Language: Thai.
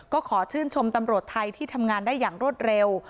ก็ขอชื่นชมตำรวจไทยที่ทำงานได้อย่างรวดเร็ว